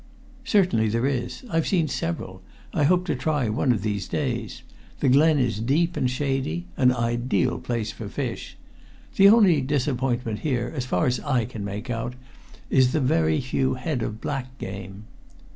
"Certainly there is. I've seen several. I hope to try one of these days. The Glen is deep and shady an ideal place for fish. The only disappointment here, as far as I can make out, is the very few head of black game."